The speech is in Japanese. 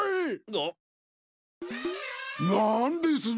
あ⁉なんですぞう？